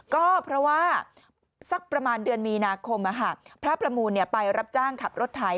ก็เพราะว่าสักประมาณเดือนมีนาคมพระประมูลไปรับจ้างขับรถไถ